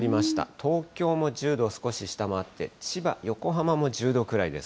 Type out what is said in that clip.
東京も１０度を少し下回って、千葉、横浜も１０度くらいです。